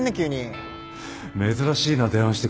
珍しいな電話してくるなんて。